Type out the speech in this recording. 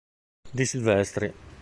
Di Silvestri